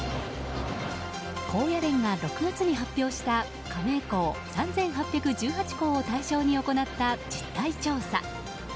高野連が６月に発表した加盟校３８１８校を対象に行った実態調査。